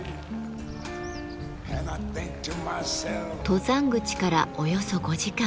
登山口からおよそ５時間。